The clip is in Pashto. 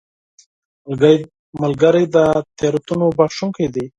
ملګری د تېروتنو بخښونکی دی